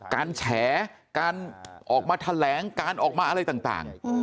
แฉการออกมาแถลงการออกมาอะไรต่าง